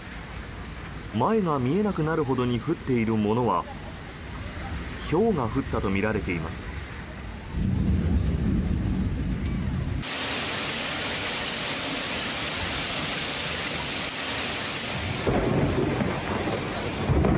前が見えなくなるほどに降っているものはひょうが降ったとみられています。